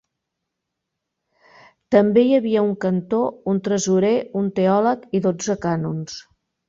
També hi havia un cantor, un tresorer, un teòleg i dotze cànons.